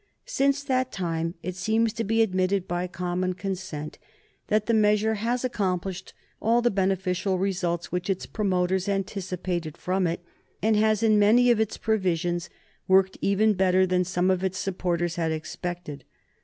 Since that time it seems to be admitted by common consent that the measure has accomplished all the beneficial results which its promoters anticipated from it, and has, in many of its provisions, worked even better than some of its supporters had expected.